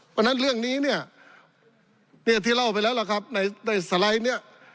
เพราะฉะนั้นเรื่องนี้เนี่ยที่เล่าไปแล้วล่ะครับในสไลด์เนี่ย